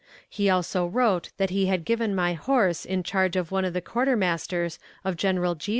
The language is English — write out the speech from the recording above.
He also wrote that he had given my horse in charge of one of the quartermasters of General G.'